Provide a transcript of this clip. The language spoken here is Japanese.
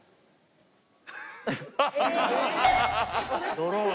ドローン。